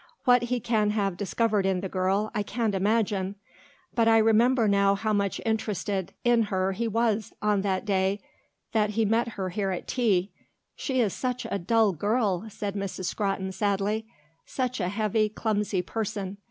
What he can have discovered in the girl, I can't imagine. But I remember now how much interested in her he was on that day that he met her here at tea. She is such a dull girl," said Miss Scrotton sadly. "Such a heavy, clumsy person.